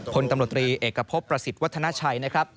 คนตำรวจตรีเอกพบประสิทธิ์วัฒนาชัยนะครับ